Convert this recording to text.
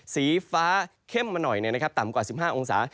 สีฟ้าเข้มมาหน่อยต่ำกว่า๑๕องศา